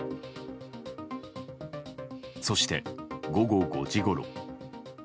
そして、午後５時ごろ。